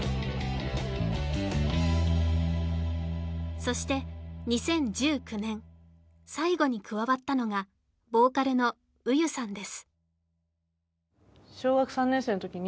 そして２０１９年最後に加わったのがヴォーカルのＵｙｕさんです